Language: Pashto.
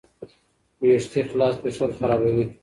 ویښتې خلاص پریښودل خرابوي.